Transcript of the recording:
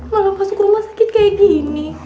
malah masuk ke rumah sakit kayak gini